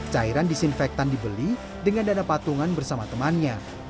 cairan disinfektan dibeli dengan dana patungan bersama temannya